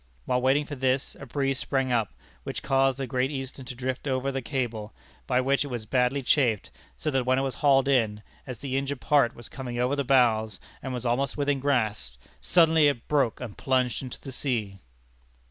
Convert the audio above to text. While waiting for this a breeze sprang up, which caused the Great Eastern to drift over the cable, by which it was badly chafed, so that when it was hauled in, as the injured part was coming over the bows and was almost within grasp, suddenly it broke and plunged into the sea!